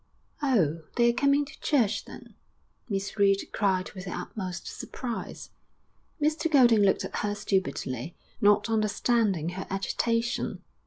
'Oh! they are coming to church, then!' Miss Reed cried with the utmost surprise. Mr Golding looked at her stupidly, not understanding her agitation.